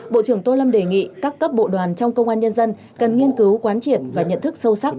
bộ trưởng tô lâm đề nghị các cấp bộ đoàn trong công an nhân dân cần nghiên cứu quán triệt và nhận thức sâu sắc